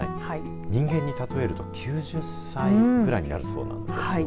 人間に例えると９０歳ぐらいになるそうなんです。